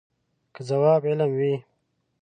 که ځواب علم وي.